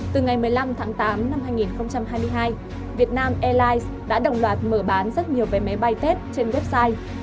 từ ngày một mươi năm tháng tám năm hai nghìn hai mươi hai việt nam airlines đã đồng loạt mở bán rất nhiều vé máy bay tết trên website